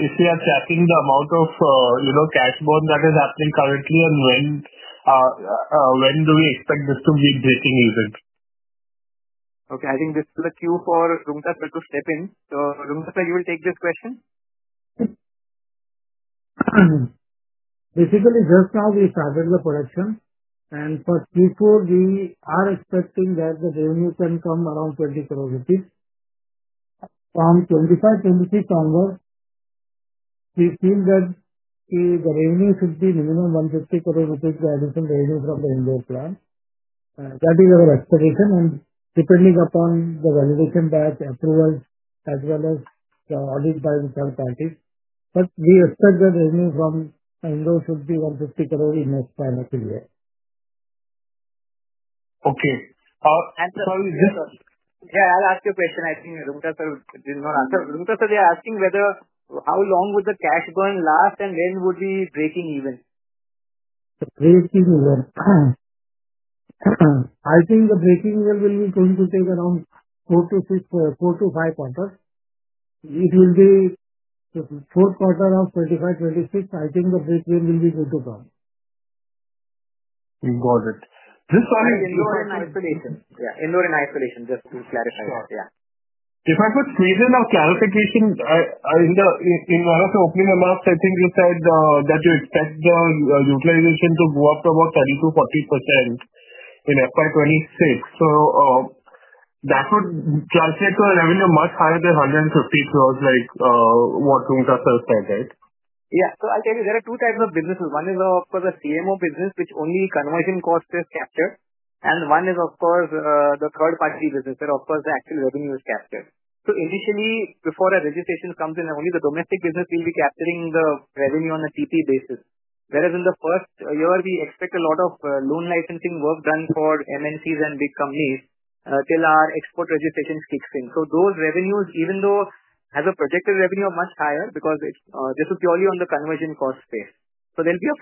if we are tracking the amount of cash burn that is happening currently and when do we expect this to be breaking even? Okay. I think this is a cue for Roonghta as well to step in so Roonghta, you will take this question. Basically, just now we started the production, and for Q4, we are expecting that the revenue can come around 20 crores rupees. From 2025, 2026 onwards, we feel that the revenue should be minimum 150 crores by additional revenue from the Indore plant. That is our expectation, and depending upon the validation batch, approvals, as well as audit by the third parties. But we expect that revenue from Indore should be INR 150 crores in the next five to three years. Okay. Sorry, Roonghta. Yeah, I'll ask you a question. I think Roonghta did not answer. Roonghta, they are asking how long would the cash burn last and when would we be breaking even? Breaking even. I think the breaking even will be going to take around four to five quarters. It will be the fourth quarter of 2025, 2026. I think the break even will be good to come. Got it. Just. Indore and isolation. Yeah. Indore and isolation, just to clarify it. Yeah. If I could squeeze in a clarification, in one of the opening remarks, I think you said that you expect the utilization to go up to about 30%-40% in FY 2026. So that would translate to a revenue much higher than 150 crores, like what Roonghta has said, right? Yeah. So I'll tell you, there are two types of businesses. One is, of course, a CMO business, which only conversion cost is captured. And one is, of course, the third-party business where, of course, the actual revenue is captured. So initially, before a registration comes in, only the domestic business will be capturing the revenue on a TP basis. Whereas in the first year, we expect a lot of loan licensing work done for MNCs and big companies till our export registrations kick in. So those revenues, even though they have a projected revenue of much higher because this is purely on the conversion cost space. So there'll be a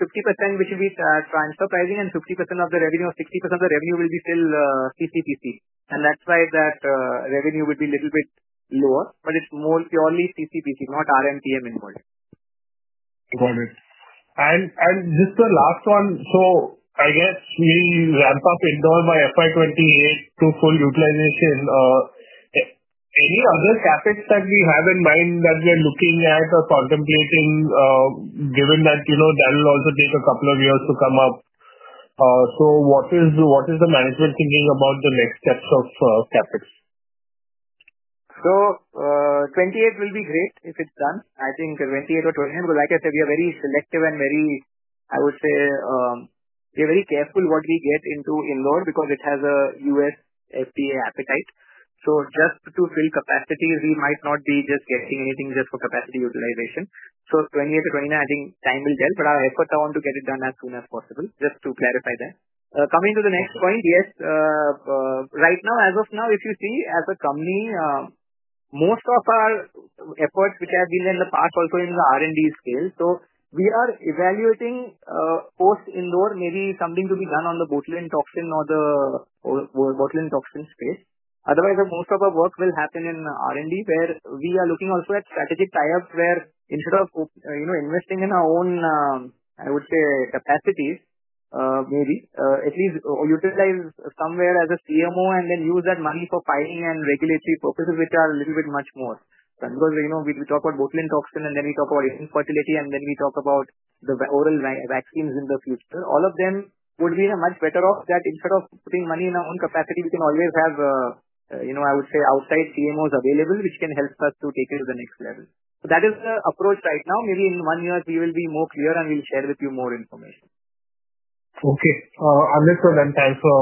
50%, which will be transfer pricing, and 50% of the revenue, 60% of the revenue will be still CC/PC. And that's why that revenue will be a little bit lower. But it's more purely CC/PC, not RMPM involved. Got it. And just the last one. So I guess we ramp up Indore by FY 2028 to full utilization. Any other CAPEX that we have in mind that we're looking at or contemplating, given that that will also take a couple of years to come up? So what is the management thinking about the next steps of CAPEX? So 2028 will be great if it's done. I think 2028 or 2029 because, like I said, we are very selective and very, I would say, we are very careful what we get into Indore because it has a U.S. FDA appetite. So just to fill capacity, we might not be just getting anything just for capacity utilization. So 2028 to 2029, I think time will tell. But our efforts are on to get it done as soon as possible, just to clarify that. Coming to the next point, yes. Right now, as of now, if you see, as a company, most of our efforts, which have been in the past, also in the R&D scale. So we are evaluating post-Indore, maybe something to be done on the botulinum toxin or the botulinum toxin space. Otherwise, most of our work will happen in R&D, where we are looking also at strategic tie-ups where instead of investing in our own, I would say, capacities, maybe at least utilize somewhere as a CMO and then use that money for filing and regulatory purposes, which are a little bit much more. Because we talk about botulinum toxin, and then we talk about infertility, and then we talk about the oral vaccines in the future. All of them would be much better off that instead of putting money in our own capacity, we can always have, I would say, outside CMOs available, which can help us to take it to the next level. So that is the approach right now. Maybe in one year, we will be more clear, and we'll share with you more information. Okay. Understood. And thanks for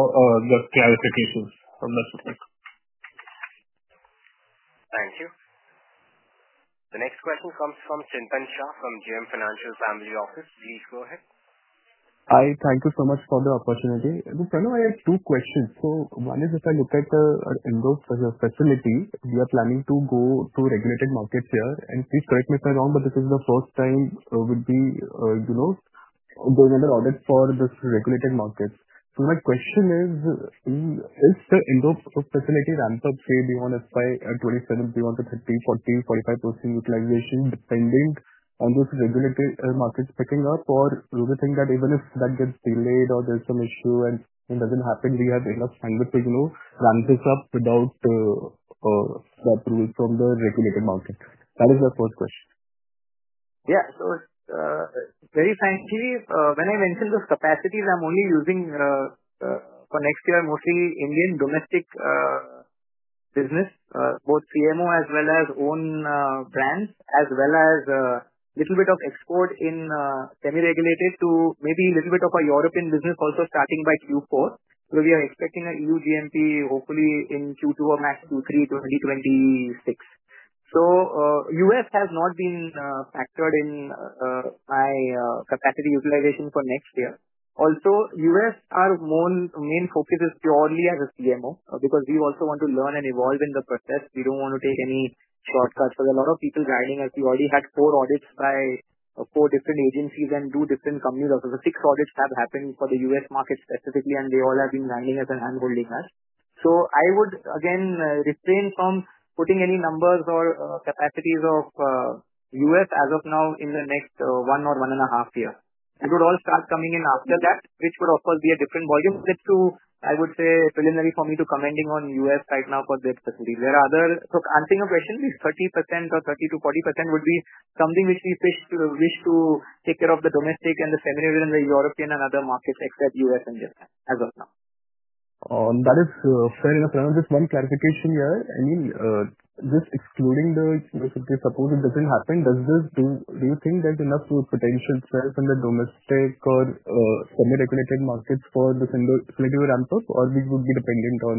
the clarifications. Understood. Thank you. The next question comes from Chintan Shah from JM Financial Family Office. Please go ahead. Hi. Thank you so much for the opportunity. Roonghta, I have two questions. So one is, if I look at the Indore facility, we are planning to go to regulated markets here. And please correct me if I'm wrong, but this is the first time we'll be doing another audit for this regulated market. So my question is, if the Indore facility ramps up, say, beyond FY 2027, beyond the 13%, 14%, 45% utilization, depending on this regulated market picking up, or do we think that even if that gets delayed or there's some issue and it doesn't happen, we have enough bandwidth to ramp this up without the approval from the regulated market? That is my first question. Yeah. So very frankly, when I mentioned those capacities, I'm only using for next year, mostly Indian domestic business, both CMO as well as own brands, as well as a little bit of export in semi-regulated to maybe a little bit of a European business also starting by Q4. So we are expecting an EU GMP, hopefully, in Q2 or max Q3 2026. So U.S. has not been factored in my capacity utilization for next year. Also, U.S.'s main focus is purely as a CMO because we also want to learn and evolve in the process. We don't want to take any shortcuts because a lot of people are guiding us. We already had four audits by four different agencies and two different companies. Also, six audits have happened for the U.S. market specifically, and they all have been guiding us and hand-holding us. So I would, again, refrain from putting any numbers or capacities of U.S. as of now in the next one or one and a half years. It would all start coming in after that, which would, of course, be a different volume. That's too, I would say, preliminary for me to comment on U.S. right now for the facility. There are others, so answering your question, 30% or 30%-40% would be something which we wish to take care of the domestic and the semi-regulated and the European and other markets except U.S. and Japan as of now. That is fair enough. Just one clarification here. I mean, just excluding the supposing it doesn't happen, do you think there's enough potential sales in the domestic or semi-regulated markets for this Indore facility to ramp up, or we would be dependent on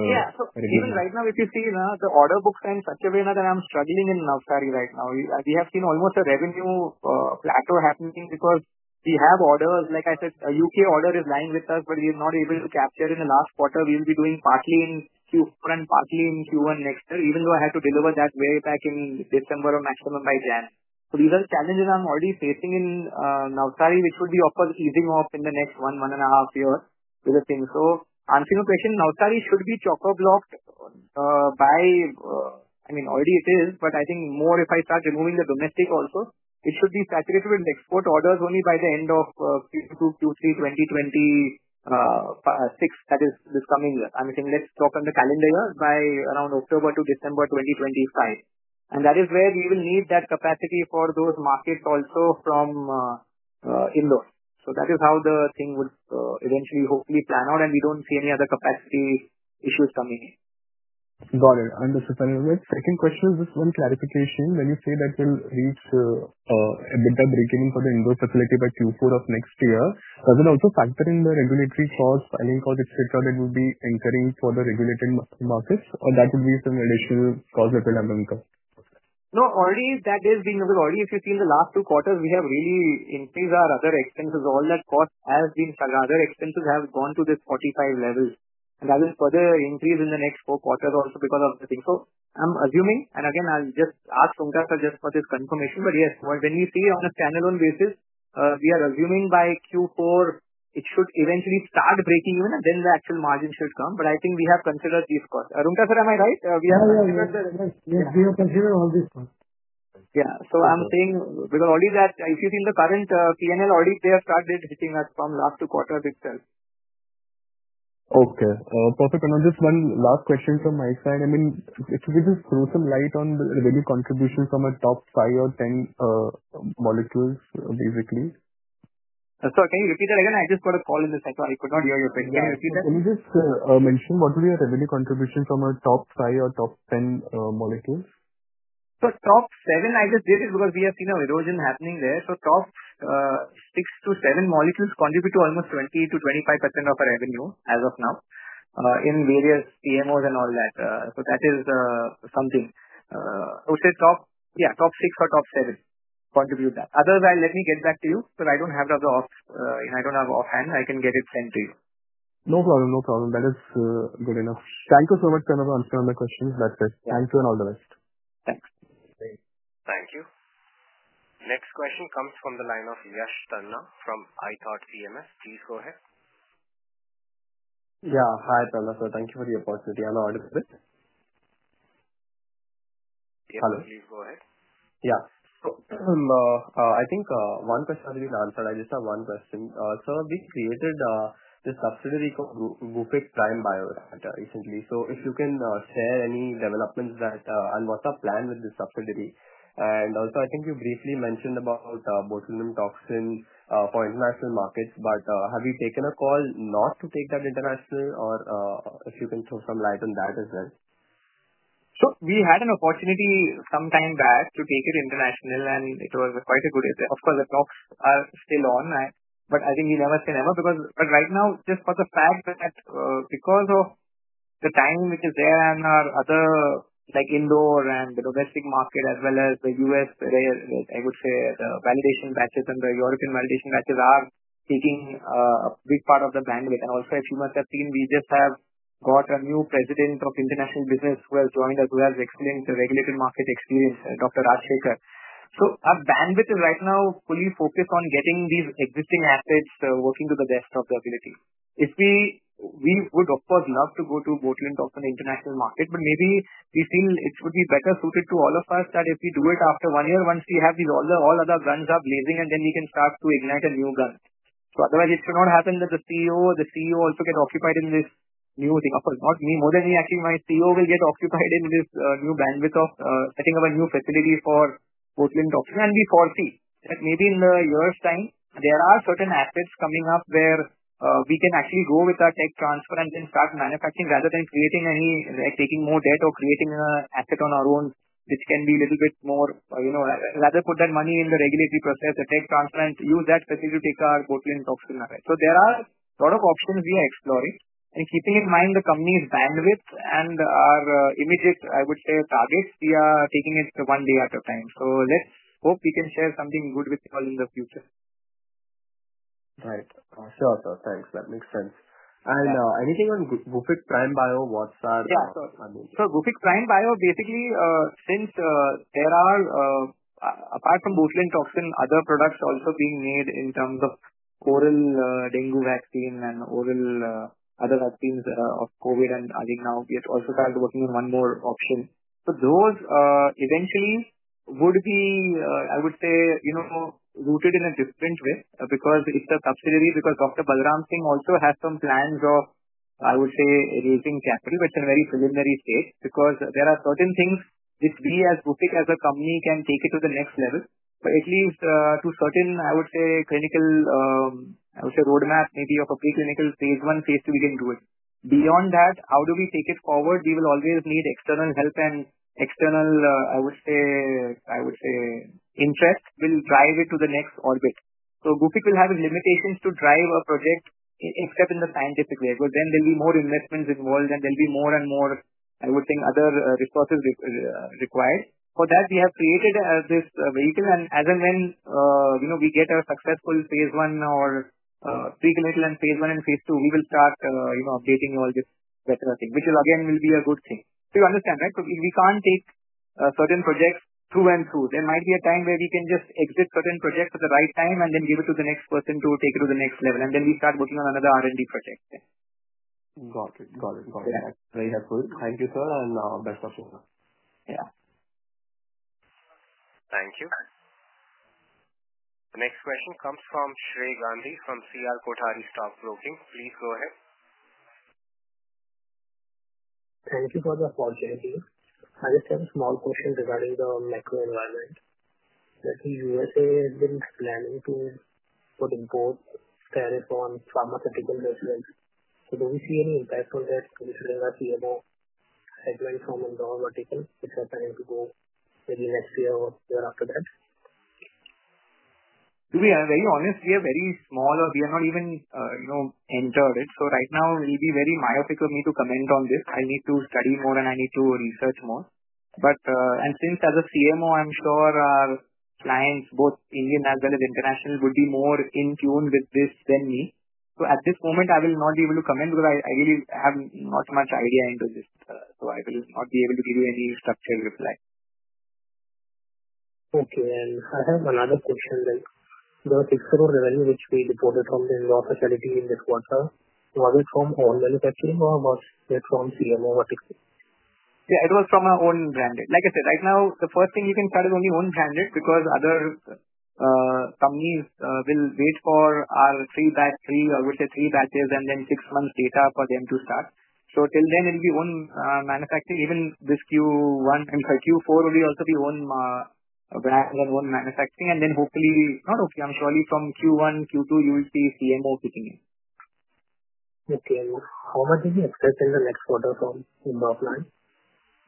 regulation? Yeah. So even right now, if you see the order books are in such a way that I'm struggling in Navsari right now. We have seen almost a revenue plateau happening because we have orders. Like I said, a U.K. order is lying with us, but we are not able to capture in the last quarter. We will be doing partly in Q4 and partly in Q1 next year, even though I had to deliver that way back in December or maximum by January. So these are the challenges I'm already facing in Navsari, which would be, of course, easing off in the next one, one and a half years. Answering your question, Navsari should be chockablock. I mean, already it is, but I think more if I start removing the domestic also, it should be saturated with export orders only by the end of Q2, Q3 2026, that is this coming year. I'm saying let's talk on the calendar year by around October to December 2025. That is where we will need that capacity for those markets also from Indore. So that is how the thing would eventually, hopefully, plan out, and we don't see any other capacity issues coming in. Got it. Understood, and Roonghta, second question is just one clarification. When you say that we'll reach a better break-even for the Indore facility by Q4 of next year, does it also factor in the regulatory costs, filing costs, etc., that will be incurring for the regulated markets, or that would be some additional cost that will have an impact? No, already that is being already. If you see in the last two quarters, we have really increased our other expenses. All that cost has been other expenses have gone to this 45 level. And that will further increase in the next four quarters also because of the thing. So I'm assuming, and again, I'll just ask Roonghta just for this confirmation. But yes, when we see on a standalone basis, we are assuming by Q4, it should eventually start breaking even, and then the actual margin should come. But I think we have considered these costs. Roonghta sir, am I right? We have considered the. Yes, we have considered all these costs. Yeah. So I'm saying because already that if you see in the current P&L, already they have started hitting us from last two quarters itself. Okay. Perfect. And just one last question from my side. I mean, if you could just throw some light on the revenue contribution from a top five or 10 molecules, basically. Sorry, can you repeat that again? I just got a call in the second. I could not hear your voice. Can you repeat that? Can you just mention what would be your revenue contribution from a top five or top ten molecules? So top seven, I just did it because we have seen erosion happening there. So top six to seven molecules contribute to almost 20%-25% of our revenue as of now in various CMOs and all that. So that is something. I would say top, yeah, top six or top seven contribute that. Otherwise, let me get back to you because I don't have offhand. I can get it sent to you. No problem. No problem. That is good enough. Thank you so much for answering all my questions. That's it. Thank you and all the best. Thanks. Thank you. Next question comes from the line of Yash Tanna from ithought PMS. Please go ahead. Yeah. Hi, Pranav sir. Thank you for the opportunity. I'm Yash. Yes, please go ahead. Yeah. So I think one question has been answered. I just have one question. So we created this subsidiary called Gufic Prime Bio recently. So if you can share any developments and what's our plan with this subsidiary. And also, I think you briefly mentioned about botulinum toxin for international markets, but have you taken a call not to take that international, or if you can throw some light on that as well? So we had an opportunity some time back to take it international, and it was quite a good idea. Of course, the talks are still on, but I think we never say never because right now, just for the fact that because of the time which is there and our other Indore and the domestic market as well as the US, I would say the validation batches and the European validation batches are taking a big part of the bandwidth. And also, as you must have seen, we just have got a new President of International Business who has joined us, who has excellent regulated market experience, Dr. Rajasekar. So our bandwidth is right now fully focused on getting these existing assets working to the best of their ability. We would, of course, love to go to botulinum toxin international market, but maybe we feel it would be better suited to all of us that if we do it after one year, once we have all other guns blazing, and then we can start to ignite a new gun, so otherwise, it should not happen that the CEO or the CEO also get occupied in this new thing. Of course, not me, more than me, actually, my CEO will get occupied in this new bandwidth of setting up a new facility for botulinum toxin and we foresee that maybe in a year's time, there are certain assets coming up where we can actually go with our tech transfer and then start manufacturing rather than creating any taking more debt or creating an asset on our own, which can be a little bit more rather put that money in the regulatory process, the tech transfer, and use that facility to take our botulinum toxin. So there are a lot of options we are exploring. And keeping in mind the company's bandwidth and our immediate, I would say, targets, we are taking it one day at a time. So let's hope we can share something good with you all in the future. Right. Sure. Thanks. That makes sense. And anything on Gufic Prime Bio, what's that? Yeah. So Gufic Prime Bio, basically, since there are, apart from Botulinum Toxin, other products also being made in terms of oral dengue vaccine and oral other vaccines of COVID, and I think now we have also started working on one more option. So those eventually would be, I would say, rooted in a different way because it's a subsidiary because Dr. Balram Singh also has some plans of, I would say, raising capital, which are very preliminary stage because there are certain things which we as Gufic, as a company, can take it to the next level, but at least to certain, I would say, clinical, I would say, roadmap, maybe of a preclinical phase one, phase two, we can do it. Beyond that, how do we take it forward? We will always need external help and external, I would say, interest will drive it to the next orbit. So Gufic will have limitations to drive a project except in the scientific way because then there'll be more investments involved, and there'll be more and more, I would think, other resources required. For that, we have created this vehicle, and as and when we get a successful phase one or preclinical and phase one and phase two, we will start updating all this better thing, which will again be a good thing. So you understand, right? So we can't take certain projects through and through. There might be a time where we can just exit certain projects at the right time and then give it to the next person to take it to the next level, and then we start working on another R&D project. Got it. Got it. Got it. Very helpful. Thank you, sir, and best of luck. Yeah. Thank you. The next question comes from Shrey Gandhi from C.R. Kothari Stock broking. Please go ahead. Thank you for the opportunity. I just have a small question regarding the macro environment. Let's say USA has been planning to put import tariffs on pharmaceutical products. So do we see any impact on that considering our CMO segment from Indore vertical, which is planning to go maybe next year or thereafter? To be very honest, we are very small, or we have not even entered it, so right now, it will be very myopic of me to comment on this. I need to study more, and I need to research more, and since as a CMO, I'm sure our clients, both Indian as well as international, would be more in tune with this than me, so at this moment, I will not be able to comment because I really have not much idea into this, so I will not be able to give you any structured reply. Okay. I have another question then. The fixed revenue which we derived from the Indore facility in this quarter, was it from own manufacturing, or was it from CMO vertical? Yeah, it was from our own branded. Like I said, right now, the first thing you can start is only own branded because other companies will wait for our three batch three, I would say three batches, and then six months data for them to start. So till then, it will be own manufacturing. Even this Q1, I'm sorry, Q4 will also be own brand and own manufacturing. And then hopefully, not hopefully, I'm sure from Q1, Q2, you will see CMO kicking in. Okay. How much is the expectation in the next quarter from Indore plant?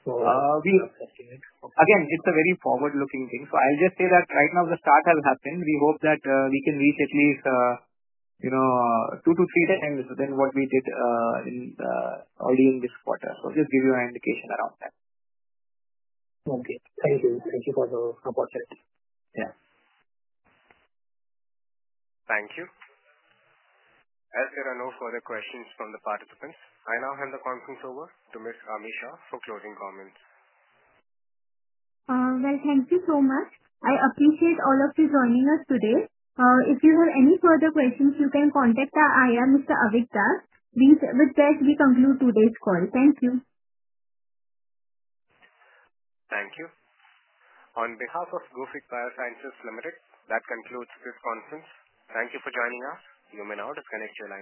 We are assessing it. Again, it's a very forward-looking thing. So I'll just say that right now, the start has happened. We hope that we can reach at least two to three times than what we did already in this quarter. So just give you an indication around that. Okay. Thank you. Thank you for the opportunity. Yeah. Thank you. As there are no further questions from the participants, I now hand the conference over to Ms. Ami Shah for closing comments. Thank you so much. I appreciate all of you joining us today. If you have any further questions, you can contact our IR, Mr. Avik Das. With that, we conclude today's call. Thank you. Thank you. On behalf of Gufic Biosciences Limited, that concludes this conference. Thank you for joining us. You may now disconnect your.